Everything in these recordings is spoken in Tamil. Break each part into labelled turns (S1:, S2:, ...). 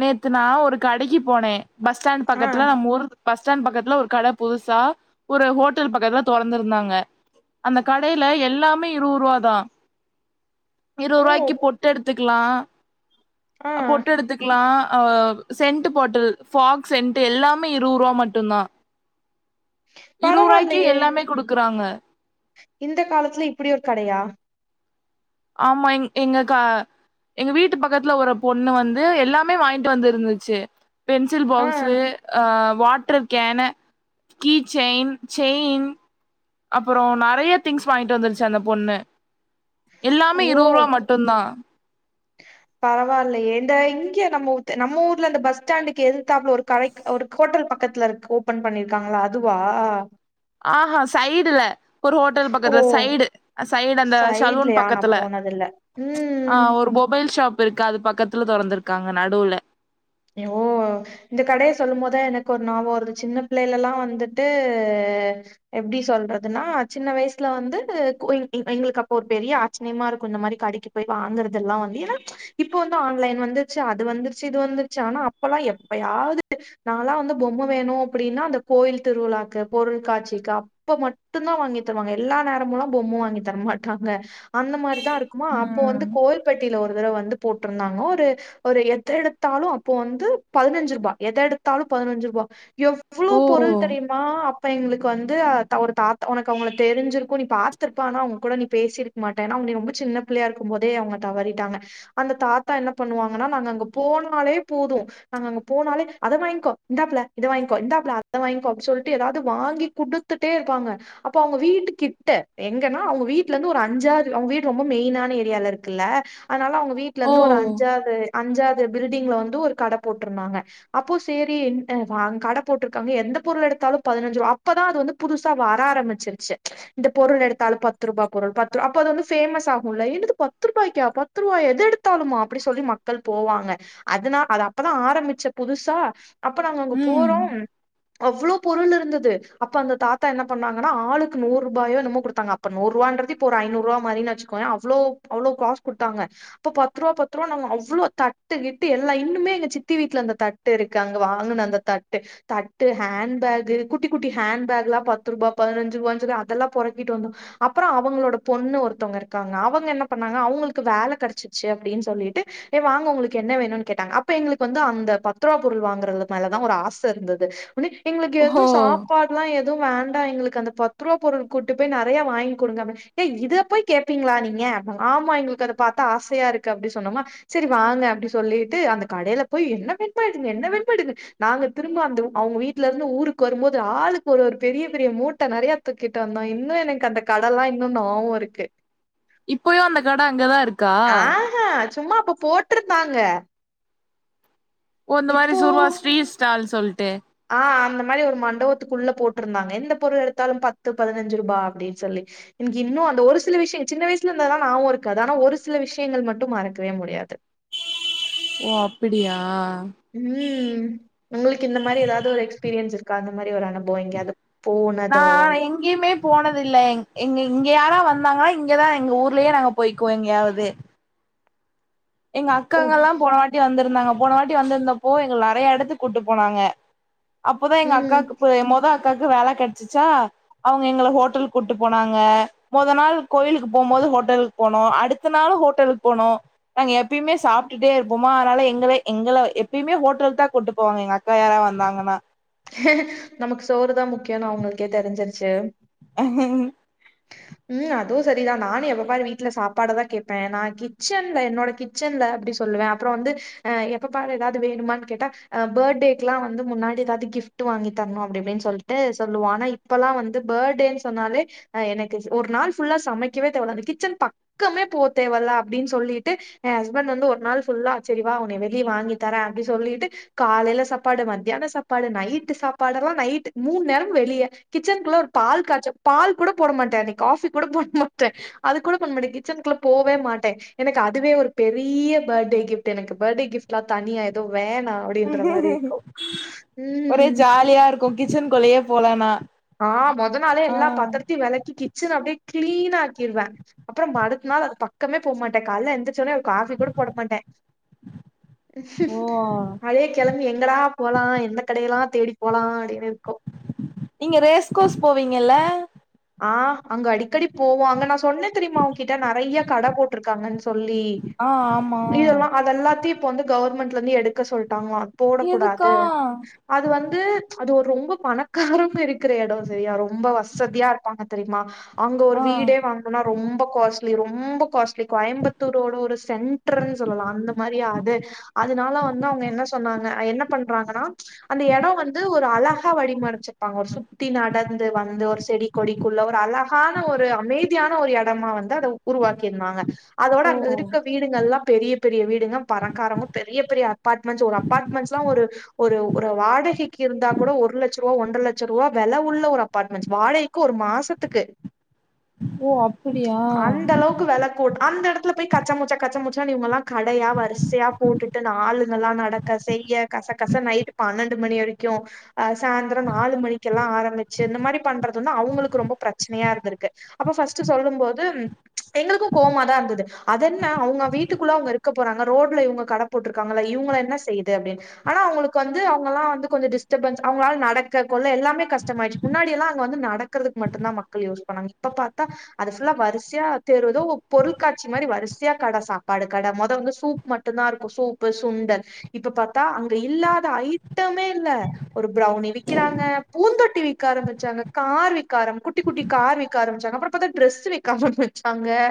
S1: நேத்து நா ஒரு கடைக்கு போனேன் பஸ் ஸ்டாண்டு
S2: ஆ
S1: பக்கத்துல நம்ம ஊரு பஸ் ஸ்டாண்டு பக்கத்துல ஒரு கட புதுசா ஒரு ஹோட்டல் பக்கத்துல தொறந்திருந்தாங்க அந்த கடையில எல்லாமே இருவ ரூபா தான் இருவ
S2: ஓ
S1: ரூபாய்க்கு பொட்டு எடுத்துக்கலாம்
S2: ஆ
S1: பொட்டு எடுத்து ஆ அ சென்ட் பாட்டில் பாஃக் சென்ட் எல்லாமே இருவரு ரூபா மட்டும் தான்
S2: பரவாயில்லயே
S1: குடுக்குறாங்க
S2: இந்த காலத்துல இப்டி ஒரு கடயா
S1: ஆமா எங்க எங்க வீட்டு பக்கத்துல ஒரு பொண்ணு வந்து எல்லாமே வாங்கிட்டு வந்து இருந்துச்சு பென்சில்
S2: ஆ
S1: பாக்ஸு ஆ water can key chain chain அப்பறம் நெறய திங்ஸ் வாங்கிட்டு வந்துருச்சு அந்த பொண்ணு எல்லாமே
S2: ஓ
S1: இருவ ரூபா மட்டும்தான்
S2: பரவாயில்லயே இந்த இங்க நம்ம நம்ம ஊர்ல இந்தந்த பஸ் ஸ்டாண்டுக்கு எதித்தாப்புல ஒரு கட ஒரு ஹோட்டல் பக்கத்துல இருக்கே ஓபன் பண்ணிருக்காங்களா அதுவா
S1: ஆஹா சைடுல ஒரு ஹோட்டல்
S2: ஓ
S1: பக்கத்தில சைடு சைடு அந்த சலூன்
S2: சைட்லயா நா
S1: பக்கத்தில
S2: போனதில்ல ம்
S1: ஆ ஒரு மொபைல் ஷாப் இப்ப இருக்க அது பக்கத்துல தெறந்திருக்காங்க நடுவுல
S2: ஓ இந்த கடய சொல்லும் போதுதான் எனக்கு ஒரு நாவோம் வருது ஒரு சின்ன பிள்ளைல எல்லாம் வந்துட்டு எப்டி சொல்றதுன்னா சின்ன வயசுல வந்து எங்களுக்கு அப்ப ஒரு பெரிய ஆச்சரியமா இருக்கும் இந்த மாதிரி கடைக்கு போய் வாங்குறத எல்லாம் வந்து ஏன்னா இப்ப வந்து ஆன்லைன் வந்துருச்சு அது வந்துருச்சு இது வந்து ஆனா அப்பெலாம் எப்பயாது நாலா வந்து பொம்ம வேணும் அப்டின்னா அந்த கோயில் திருவிழாக்கு பொருள்காட்சிக்கு அப்ப மட்டும் தான் வாங்கி தருவாங்க எல்லா நேரமுலாம் பொம்ம வாங்கி தரமாட்டாங்க அந்த மாதிரிதான் இருக்குமா அப்போ வந்து
S1: ம்
S2: கோவில்பட்டியில ஒரு தடவ வந்து போட்டிருந்தாங்க ஒரு ஒரு எத்த எடுத்தாலும் இப்ப வந்து பதினஞ்சு ரூபா எத எடுத்தாலும் பதினஞ்சு ரூபா எவ்ளோ
S1: ஓ
S2: பொருள் தெரியுமா அப்ப எங்களுக்கு வந்து ஒரு தாத்தா உனக்கு அவங்கள தெரி்ஞ்சுருக்கும் நீ பாத்திருப்ப ஆனா அவங்க கூட நீ பேசிருக்க மாட்டேன் ஏன்னா அவ நீ ரொம்ப சின்ன பிள்ளயா இருக்கும் போதே அவங்க தவறிட்டாங்க அந்த தாத்தா என்ன பண்ணுவாங்கன்னா நாங்க அங்கே போனாலே போதும் நாங்க அங்க போனாலே அத வாங்கிக்கோ இந்தாபுல இத வாங்கிக்கோ இந்தாபுல அத வாங்கிக்கோ அப்டின்னு சொல்லிட்டு ஏதாவது வாங்கி குடுத்துட்டே இருப்பாங்க அப்போ அவங்க வீட்டு கிட்ட எங்கன்னா அவங்க வீட்டுல இருந்து ஒரு அஞ்சாறு அவங்க வீட்டு ரொம்ப மெயினான ஏரியால இருக்குல்ல அதனால அவங்க வீட்ல
S1: ஓ
S2: இருந்து ஒரு அஞ்சாது அஞ்சாது பில்டிங்ல வந்து து ஒரு கட போட்ருந்தாங்க அப்போ சேரி வாங் கட போட்ருக்காங்க எந்த பொருள் எடுத்தாலு பதுனஞ்சு அப்பதா அது வந்து புதுசா வர ஆரம்மிச்சுருச்சு இந்த பொருள் எடுத்தாலு பத்து ருபா பொருள் பத்துரு அப்ப அது வந்து ஃபேமஸ் ஆகுல்ல என்னது பத்துருபாய்க்கா பத்து ருபாயா எது எடுத்தாலுமா அப்டி சொல்லி மக்கள் போவாங்க அதுனா அது அப்பதா ஆரம்பிச்ச புதுசா அப்போ நாங்க அங்க
S1: ம்
S2: போறோம் அவ்ளோ பொருள் இருந்தது அப்ப அந்த தாத்தா என்ன பண்ணாங்கன்னா ஆளுக்கு நூருபாயோ என்னமோ குடுத்தாங்க அப்ப நூருவான்றது இப்ப ஒரு ஐநூருவா மாரின்னு வச்சுக்கோய அவ்ளோ அவ்ளோ காச குடுத்தாங்க அப்ப பத்துருவா பத்துருபா நாங்க அவ்ளோ தட்டுக்கிட்டு எல்லா இன்னும் இன்னுமே எங்க சித்தி வீட்ல அந்த தட்டு இருக்கு அங்க வாங்குன அந்த தட்டு தட்டு ஹேண்ட்பேகு குட்டி குட்டி ஹேண்ட்பே குல்லா பத்துருபா பதினஞ்சு ருவான் சொல்லி அதெல்லா பொருக்கிட்டு வந்தொ அப்புறொ அவுங்களோட பொண்ணு ஒருத்தவ்ங்க இருக்காங்க அவங்க என்ன பண்ணாங்க அவுங்களுக்கு வேல கெடச்சிச்சு அப்டின் சொல்லிட்டு எ வாங்க உங்ககளுக்கு என்ன வேணுனு கேட் ப்ப எங்களுக்கு வந்து அந்த பத்துருவா பொருள் வாங்குறது மேலதா ஒரு ஆச இருந்தது ஒன்னே எங்களுக்கு எதுவு
S1: ஓஹோ
S2: சாப்பாடுலா எது து வேண்டா எங்களுக்கு அந்த பத்துருவா பொருள் கூட்டு போய் நெறைய வாங்கி குடுங்க அப்டின ஏ இத போய் கேப்பீங்ளா நீங்க ஆமா எங்களுக்கு அத பாத்தா ஆசையா இருக்கு அப்புடி சொன்னமா செரி வாங்க அப்டி சொல்லிட்டு அந்த கடைல போய் என்ன வேண்மோ எடுங்க என்ன வேணுமோ எடுங்க நாங்க திரும்ப அந்த அவுங்க வீட்லருந்து ஊருக்கு வரும் போது ஆளுக்கு ஒரு ஒரு பெரிய பெரிய மூட்ட நெறைய தூக்கிட்டு வந்தோ இன்னு எனக்கு அந்த கடல்லா இன்னு நாவோ இருக்கு
S1: இப்பயு அந்த கட அங்கதா இருக்கா
S2: ஆஹா சும்மா அப்ப போட்ருந்தாங்க
S1: ஓ இந்த மாரி சுருவா ஸ்ட்ரீட் ஸ்டால் சொல்ட்டு
S2: ஆ அந்த மாரி ஒரு மண்டபத்துக்குள்ள போட்ருந்தாங்க எந்த பொருள் எடுத்தாலும் பத்து பதினஞ்சு ருபா அப்டின் சொல்லி எனக்கு இன்னு அந்த ஒரு சில விஷ்ய சின்ன வயசுலந்தலா நாவொ இருக்காது ஆனா ஒரு சில விஷ்யங்கள் மட்டு மறக்கவே முடியாது
S1: ஓ அப்பிடியா
S2: உம் உங்களுக்கு இந்த மாரி எதாவ்து ஒரு எக்ஸ்பீரியன்ஸ் இருக் க்கா அந்த மாரி ஒரு அனு
S1: நா எங்யுமே போனதில்ல எங்க இங்க யாரா வந்தாங்கா இங்கதா எங்க ஊர்லயே நாங்க போய்க்குவோ எங்யாவது எங்க
S2: ஓ
S1: அக்காங்கல்லாம் போனவாட்டி வந்து ருந்தாங்க போன வாட்டி வந்திருந்தப்போ எங்கள நெறைய எடத்துக்கு கூட்டு போனாங்க அப்போதா எங்க
S2: ம்
S1: அக்காக்கு ப மொத அக் அக்காக்கு வேல கெட்ச்சிச்சா அவுங்க எங்கள ஹோட்டல் கூட்டு போனாங்க மொத நாள் கோயிலுக்கு போம்போது ஹோட்டல்க்கு போனோ அடுத்த நாள் ஹோட்டலுக்கு போனோ நாங்க எப்பய்மே சாப்டுட்டே இருப்போமா அனால எங்கள எங்கள எப்பய்மே ஹோட்டலுக்தா கூட்டு போவாங்க எங்க அக்கா யாரா வந்தாங்கனா
S2: நமக்கு சோறுதா முக்கியொனு அவுங்களுக்கே தெரிஞ்சிருச்சு
S1: உ உம்
S2: உம் அதுவு சரிதா நானு எப்பப்பாரு வீட்ல சாப்பாடுதா கேப்பே நா கிச்சன்ல என்னோட கிச்சன்ல அப்டி சொல்லுவே அப்புறொ வந்து அ எப்ப பாரு எதாது வேணமான்னு கேட்டா பர்த்டேக்குல்லா வந்து முன்னாடி எதாது கிஃப்ட் வாங்கி தரணு அப்டி இப்டின் சொல்ட்டு சொல்லுவோ ஆனா இப்பல்லா வந்து பர்த்டேனு சொன்னாலே எனக் கு ஒரு நாள் ஃபுல்லா சமைக்கவே தோணாது கிச்சன் பக்கமே போ தேவல அப்டின் சொல்லிட்டு என் ஹஸ்பண்ட் வந்து ஒரு நாள் ஃபுல்லா செரிவா உன்னை வெளிய வாங்கி தரே அப்டி சொல்லிட்டு காலைல சாப்பாடு மத்தியான சாப்பாடு நைட்டு சாப்பாடல்லா நைட்டு மூண் நேரமு வெளிய கிச்சன்குள்ள ஒரு பால் காச்ச பால் கூட போட மாட் ட்டே அன்னக் காஃபி கூட போட மாட்டே அது கூட பண்ணமாட்டெ கிச்சன்குள்ள போவே மாட்டே எனக்கு அதுவே ஒரு பெரிய பர்த்டே கிஃப்ட் எனக்கு பர்த்டே கிஃப்ட்லா தனியா எது வேணா அப்புடின்ற மாரி இருக்கும் உம்
S1: கும் கிச்சன்க்குள்ளயே போலனா
S2: ஆ மொத நாளே
S1: ஆ
S2: எல்லா பாத்திரத்தையு வெலக்கி கிச்சன அப்டே க்ளீனா ஆக்கிருவே அப்புறம் ம அடுத்த நாள் அது பக்கமே போமாட்டே கால்ல எந்திரிச்சோன காஃபி கூட போட மாட்டே
S1: ஓ
S2: அதே கெளம்பி எங்கடா போலா எந்த கடையெல்லா தேடி போலா அப்டின்னு இருக்கு
S1: நீங்க ரேஸ்கோஸ் போவீங்கல்ல
S2: ஆ அங்க அடிக்கடி போவோ அங்க நா சொன்னே தெரியுமா உங்கிட்ட நெறைய கட போட்ருக்காங்கன் சொல்லி
S1: ஆ ஆமா
S2: இதெல்லா அதெல்லாத்தையு இப்ப வந்து கவர்மெண்ட் லெந்து எடுக்க சொல் டாங்கலாம் போடக்கூடாது
S1: எதுக்கா
S2: அது வந்து அது ஒரு ரொம்ப பணக்காரங்க இருக்கிற இடம் சேரியா ரொம்ப வசதியா இரு பாங்க தெரியுமா அங்க ஒரு
S1: ஆ
S2: வீடே வாங்கனா ரொம்ப காஸ்ட் ட்லி ரொம்ப காஸ்லி கோயம்புத்தூரோட ஒரு சென்டரு சொல்லலாம் அந்த மாரிய அது அதனால வந்து அவங்க என்ன சொன்னாங்க என்ன பண்றாங்கன்னா அந்த இடம் வந்து ஒரு அழகா வடிமறைச்சிருப்பாங்க ஒரு சுத்தி நடந்து வந்து ஒரு செடி கொடி குல்ல ஒரு அலா அழகான ஒரு அமைதியான ஒரு இடமா வந்து அதை உருவாக்கிருந்தாங்க அதோட
S1: ஓ
S2: அங்க இருக்க வீடுகள்ல்லாம் பெரிய பெரிய வீடு பணக்காரங்க பெரிய பெரிய அபார்ட்மெண்ட்ஸ் ஒரு அபார்ட்மெண்ட்ஸ்லாம் ஒரு ஒரு வாடகைக்கு இருந்தா கூட ஒரு லட்சம் ரூபா ஒன்றரை லட்சம் ரூபா வேல உள்ள ஒரு அபார்ட்மென்ட்ஸ் வாடகைக் க்கு ஒரு மாசத்துக்கு
S1: ஓ அப்டியா
S2: அந்த அளவுக்கு வெல போட் அந்த இடத் துல போய் கச்ச மூச்சா கச்ச மூச்சா இவங்கெல்லாம் கடையா வரிசையா போட்டுட்டு ஆளுங்களாம் நடக்க செய்ய கச கச நைட் பன்னெண்டு மணி வரைக்கும் சாயந்திரம் நாலு மணிக்கெல்லாம் ஆற வச்சி இந்த மாதிரி பண்றது அவங்க ரொம்ப பிரச்சனையா இருந்துருக்கு அப்போ ஃபர்ஸ்ட் சொல்லும் போது எங்களுக்கும் கோவமதா இருந்தது அது என்ன அவங்க வீட்டுக்குள்ளற அங்க இருக்கா போறங்க ரோட்ல இவங்க கடை போட்டு இருக்காங்க இருக்க போறாங்க ரோட்ல கடை எங்க போடுறதுக்கு என்ன செய்யப் போகுது ஆனா அவங்களுக்கு வந்து கொஞ்சம் டிஸ்டர்பன்ஸ் நடக்குது எல்லாமே கஷ்டம் ஆச்சு முன்னாடி எல்லாம் முதல்ல வந்து நடக்கிறதுக்கு மட்டும் தான் மக்கள் யூஸ் பண்ணாங்க இப்ப பார்த்தா அது புல்லா வரிசையா ஏதோ பொருட்காட்சி மாதிரி வரிசையா சாப்பாடு கடை முத வந்து சூப் மட்டும் தான் இருக்கும் சூப்பு சுண்டலு இப்ப பார்த்தா இல்லாத ஐட்டமே இல்லை ஒரு ப்ரோவ்னி வைக்கிறாங்க பூந்தெடுக்க ஆரம்பிச்சிட்டாங்க கார் விக்காரம்மி குட்டி குட்டி கார் விக்க ஆரம்பிச்சாங்க அப்புறம் பார்த்திங்கன டிரஸ் வைக்க ஆரம்பிச்சாங்கா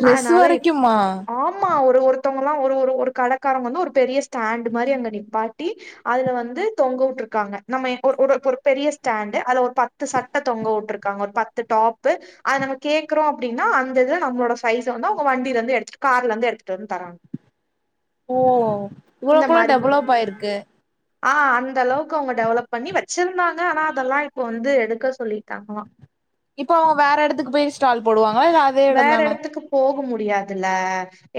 S1: ட்ரெஸ்
S2: ஆனால
S1: வரைக்குமா
S2: ஆமா ஒரு ஒருத்த மித்தவாங்களா ஒரு ஒரு கடைக்காரங்க வந்து ஒரு பெரிய ஸ்டா் மாதிரி அங்க நிப்பாட்டி அதுல வந்து தொங்க விட்டு இருக்காங்க நம்ம பெரிய ஸ்டா அது ஒரு பத்து பத்து சட்டை தொங்க விட்டுருக்காங்க ஒரு பத்து டாப்பு அதுல நாங்க கேடக்குறோம் அப்படின்னா அந்த இது நம்மளோட சைஸை வந்து அவங்க வண்டியில இருந்து எடுத்துட்டு கார்ல இருந்து எடுத்துட்டு வந்து தராங்க
S1: ஓ இவ்ளவு கூட டெவலப் ஆயிருக்கு
S2: ஆஹ் அந்த அளவுக்கு அவங்க டெவலப் பண்ணி வச்சிருந்தாங்க ஆனா அதெல்லாம் இப்ப வந்து எடுக்க சொல்லிட்டாங்க
S1: இப்ப அவன் வேற இடத்துக்கு போயி
S2: வேற இடத்துக்கு போக முடியாதுல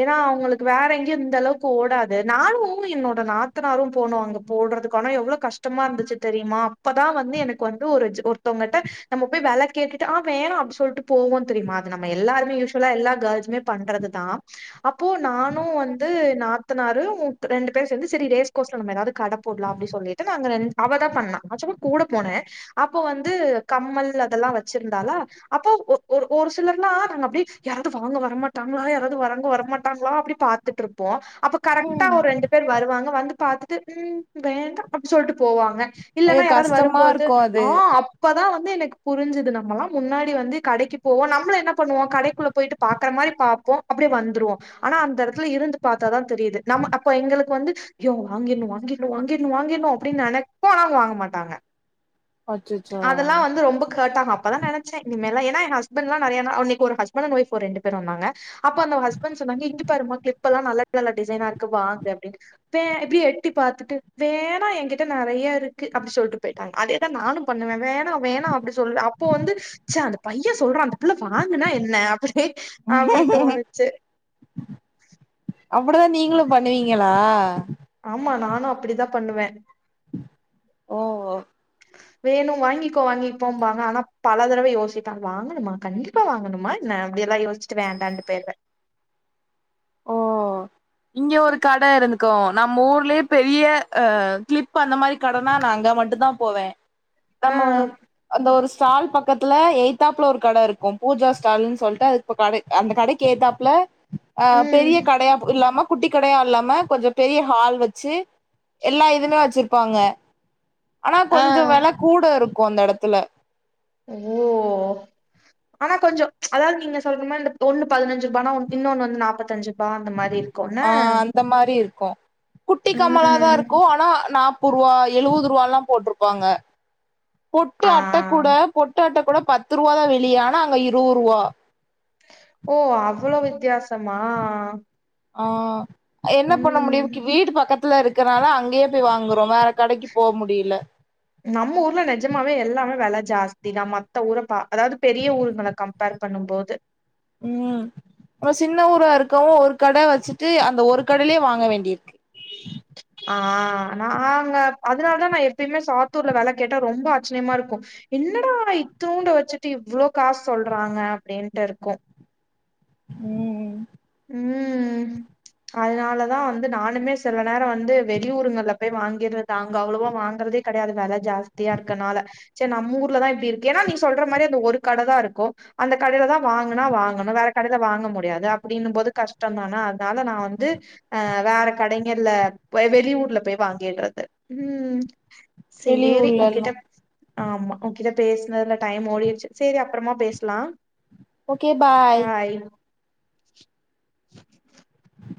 S2: ஏன்னா அவங்களுக்கு வேற எங்கயும் இந்த அளவுக்கு ஓடாது நானும் என்னோட நாத்தனாரும் போனோம் அங்க போடுறதுக்க ஆனா எவ்வளவு கஷ்டமா இருந்துச்சு தெரியுமா அப்பதான் வந்து எனக்கு வந்து ஒரு ஒருத்தவங்கிட்ட நம்ம போய் வேல கேட்டுட்டு வேணும் அப்படி சொல்லிட்டு போகும் ருா தெரியும நாம்ம எல்லாருமே யூஸ்வால கேரள்ஸ்மே பண்றதுதான் அப்போ நானும் வந்து நாத்தனாரு ரெண்டு பேரும் சேர்ந்து டேஸ்கோஸ்லா நாம்ம ஏதாவது கட போடலாம் அப்ப சொல்லிட்டு நாங்க அவதான் பண்ணலாம் ஆ கூட போனேன் அப்போ வந்து கம்மல் அதெல்லாம் வச்சிருந்தாலா அப்போ ஒரு ஒரு சிலர்னா நாங்க அப்படி யாராவது வாங்க வரமாட்டாங்களா யாராவது வாங்க வரமாட்டாங்களா அப்படி பாத்துட்டு இருப்போம் அப்ப கரெக்டா
S1: ம்
S2: ஒரு ரெண்டு பேர் வருவாங்க வந்து பார்த்துட்டு உம் வேண்டாம் அப்படி சொல்லிட்டு போவாங்க
S1: ஐயோ
S2: இல்லன்னா யாராவது
S1: கஷ்டமா
S2: வரும்போது
S1: இருக்கு அது
S2: ஆஹ் அப்பதான் வந்து எனக்கு புரிஞ்சுது நம்மல்லாம் முன்னாடி வந்து கடைக்கு போ நம்மளே என்ன பண்ணுவ கடைக்குள்ள போயிட்டு பாத் இருக்கற மாரி பாப்போ அப்படியே வந்துருவோ. ஆனா அந்த எடத்துல இருந்து பாத்தான். தெரியுது நம்ம அப்போ எங்களுக்கு வந்து. யோ வாங்கின்னு வாங்கின்னு வாங்கின்னு வாங்கின்னு அப்படின்னு நினைப்ப ஆனா வாங்க மாட்டாங்க.
S1: அச்சச்சோ
S2: அதெல்லா வந்து ரொம்ப ஹேட் ஆகு அப்பதா நினைச்ச இனிமேல்லா. நா எ ஹஸ். துன்னா நெறையா நாள் ஒரு இன்னிக்கு ஒரு ஹஸ்பெண்ட் அண்ட் வைஃப் ஒரு ரெண்டு பேரு வந்தாங்க. அப்ப அந்த ஹஸ்பெண்ட் சொன்னாங்க இங். தருமோ கிளிப் எல்லா நல்ல நல்ல டிசைனா இருக்கு வாங்கு அப்படின்னு இப்படி எட்டி பாத்துட்டு வேணா என்கிட்ட நெறைய இருக்கு அப்படினு சொல்லிட்டு போயிட்டாங்க அதேதா நானும் பண்ணுவ வேண். ணா வேணா அப்படி சொல்லு. இப்போ வந்து ச்ச அந்த பைய. சொல்றா அந்த புள்ள வாங்கன்னா என்ன அப்படி. ஹே அப்படி தோணுச்சு.
S1: அப்படிதா நீங்களும் பண்ணுவீங். ங்களா.
S2: ஆமா நானு அப்படிதா பண்ணுவ.
S1: ஓஓ.
S2: வேணு வாங்கிக்கோ வாங்கிப்போ பாங்க ஆனா பல தடவ யோசிப்பாங்க வாங்கணுமா கண்டிப்பா வாங்கணுமா என்ன அப்படி எல்லா யோசிச்சுட்டு வேண்டான்ட்டு போய்ருவ.
S1: ஓ இங்க ஒரு கட இருந்துக்கோ. நம்ம ஊர்லேயே பெரிய ஆஹ கிளிப் அந்த மாரி கடனா நா அங்க மட்டுந்தா போவ.
S2: ஆ
S1: நம்ம அந்த ஒருஸ். ஸ்டால் பக்கத்துல ஏய்த்தாப்ல ஒரு கட இருக்கு பூஜா ஸ்டாலன்னு சொல்லிட்டு அது கட அந்த கடைக்கு ஏய்த்தாப்ல. ஆஹ
S2: ம்
S1: பெரிய கடையா இல்லாமா. குட்டி கடையா இல்லாம கொஞ்சோ பெரிய ஹால் வச்சு எல்லா இதுமே வச்சிருப்பாங்க. ஆனா
S2: ஆ
S1: கொஞ்சோ வெல கூட இருக். கும் அந்த இடத்துல.
S2: ஓ ஆனா கொஞ்சோ ம்ச் அதாவது நீங்க சொல்ற மாரி இந்த ஒண்ணு பதினெஞ்சு ரூபானா இன்னொன்னு வந்து நாப்பத்தஞ்சு. ரூபா அந்த மாரி இருக்கும்ல
S1: ஆஹ அந்த மாரி இருக்கு. குட்டி கம்மலாதா
S2: ம்
S1: இருக்கு ஆனா நா. முப்பது ரூபா எழுவது ரூவா எல்லா போட்டுருப்பாங்க. பொட்டு
S2: ஆ
S1: அட்ட கூட பொட்டு அட்ட. கூட பத்து ரூவாதா வெளிய ஆனா அங்க இருவரூவா.
S2: ஓ அவ்வளோ வித்தியாசமா.
S1: ஆஹா. என்ன பண்ண
S2: ம்
S1: முடியும் வீடு பக்கத் துல இருக்கனால அங்கயே. போய் வாங்குறோ வேற கடைக்கு. போ முடியல
S2: நம்ம ஊர்ல நிஜமாவே எல்லாமே வில ஜாஸ்தி தான் மத்த ஊரை கம்பேர் அதாவது பெரிய ஊருங்கள கம்பேர் பண்ணும் போது
S1: உம் ஒரு சின்ன ஊரா இருக்கவும் ஒரு கடை வச்சுட்டு அந்த ஒரு கடையிலயே வாங்க வேண்டியிருக்கு
S2: ஆஹ் நாங்க அதனாலதான் நான் எப்பயுமே சாத்தூர்ல வில கேட்டா ரொம்ப ஆச்சிரியமா இருக்கும் என்னடா இத்தூண்ட வச்சுட்டு இவ்வளோ காசு சொல்றாங்க அப்படின்ட்டு இருக்கும்
S1: உம்
S2: உம் அதனாலதான் வந்து நானுமே சில நேரம் வந்து வெளியூருங்கல போய் வாங்கிருது அங்க அவ்வளோவா வாங்கறதே கிடையாது வெல ஜாஸ்தியா இருக்கனால செரி நம்ம ஊர்லதான் இப்படி இருக்கு ஏன்னா நீங்க சொல்ற மாதிரி அந்த ஒரு கடைதான் இருக்கும் அந்த கடையில தான் வாங்கினா வாங்கணும் வேற கடையில வாங்க முடியாது அப்படின்னும் போது கஷ்டம் தானே அதனால நான் வந்து ஆஹ வேற கடைகள்ல வெளியூர்ல போய் வாங்கிடுறது உம் சேரி
S1: வெளியூர்லல்லா
S2: உங்கிட்ட ஆமா உன்கிட்ட பேசுனதுல டைம் ஓடிடுச்சு சரி அப்புறமா பேசலாம்
S1: ஓகே பாய்